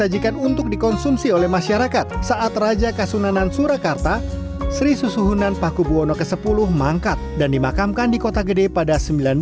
yangko tidak disajikan untuk dikonsumsi oleh masyarakat saat raja kasunanan surakarta sri susuhunan pakubuwono x mangkat dan dimakamkan di kota gede pada seribu sembilan ratus tiga puluh sembilan